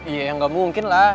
iya nggak mungkin lah